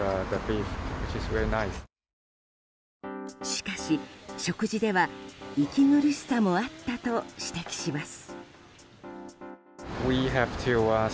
しかし、食事では息苦しさもあったと指摘します。